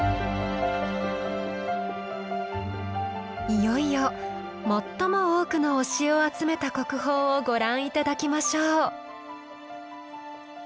いよいよ最も多くの推しを集めた国宝をご覧頂きましょう。